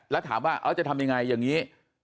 แล้วถามว่าจะทำยังไงอย่างนี้